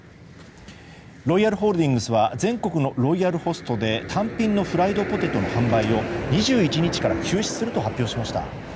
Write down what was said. ロイヤルホールディングスは全国のロイヤルホストで単品のフライドポテトの販売を２１日から休止すると発表しました。